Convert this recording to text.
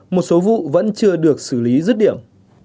một số vụ vẫn chưa được xử lý rứt điểm